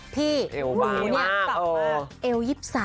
พี่หนูเนี่ยเอว๒๓